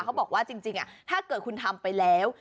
เขาบอกว่าจริงถ้าเกิดคุณทำไปแล้ว